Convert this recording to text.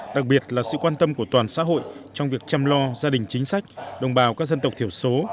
đặc biệt là sự quan tâm của toàn xã hội trong việc chăm lo gia đình chính sách đồng bào các dân tộc thiểu số